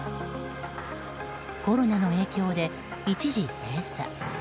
コロナの影響で一時閉鎖。